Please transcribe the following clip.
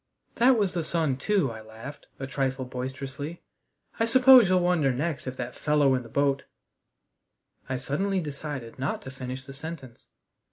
"That was the sun too," I laughed, a trifle boisterously. "I suppose you'll wonder next if that fellow in the boat " I suddenly decided not to finish the sentence.